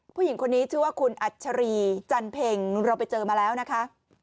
ผู้หญิงคนนี้ชื่อว่าคุณอัชรีจันเพ็งเราไปเจอมาแล้วนะคะ